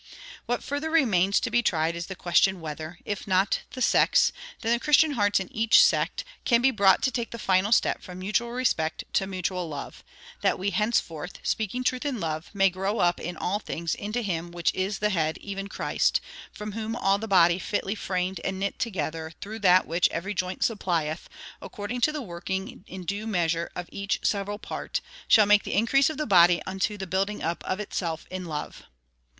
What further remains to be tried is the question whether, if not the sects, then the Christian hearts in each sect, can be brought to take the final step from mutual respect to mutual love, "that we henceforth, speaking truth in love, may grow up in all things into him, which is the head, even Christ; from whom all the body fitly framed and knit together through that which every joint supplieth, according to the working in due measure of each several part, shall make the increase of the body unto the building up of itself in love."